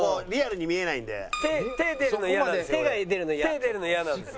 手出るの嫌なんですよ。